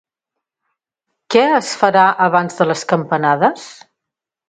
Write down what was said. Què es farà abans de les campanades?